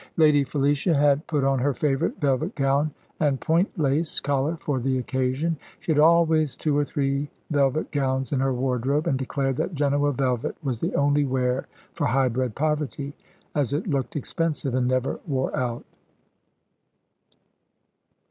Lady Felicia had put on her favourite velvet gown and point lace collar for the occasion. She had always two or three velvet gowns in her wardrobe, and declared that Genoa velvet was the only wear for high bred poverty as it looked expensive and never wore out.